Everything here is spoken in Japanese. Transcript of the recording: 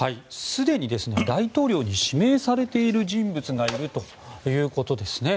すでに大統領に指名されている人物がいるということですね。